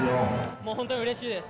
もう本当にうれしいです。